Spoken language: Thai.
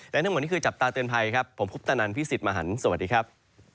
และทั้งหมดนี้คือจับตาเตือนภัยครับผมพุทธนันพี่สิทธิ์มหันฯสวัสดีครับ